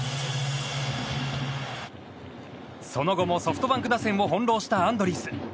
その後もソフトバンク打線をほんろうしたアンドリース。